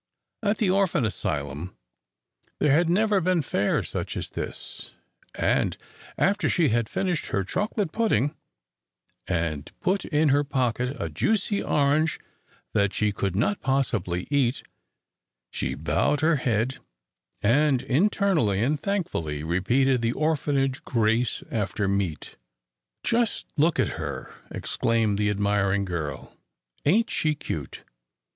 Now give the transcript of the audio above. At the orphan asylum there had never been fare such as this, and, after she had finished her chocolate pudding, and put in her pocket a juicy orange that she could not possibly eat, she bowed her head, and internally and thankfully repeated the orphanage grace after meat. "Just look at her!" exclaimed the admiring girl. "Ain't she cute?